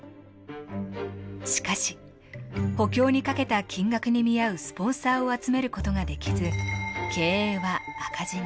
しかし補強にかけた金額に見合うスポンサーを集めることができず経営は赤字に。